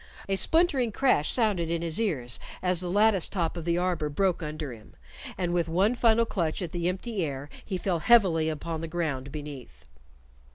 A splintering crash sounded in his ears as the lattice top of the arbor broke under him, and with one final clutch at the empty air he fell heavily upon the ground beneath.